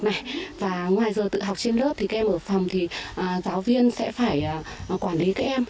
ngoài giờ tự học trên lớp kem ở phòng giáo viên sẽ phải quản lý các em